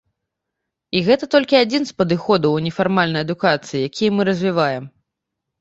І гэта толькі адзін з падыходаў у нефармальнай адукацыі, якія мы развіваем.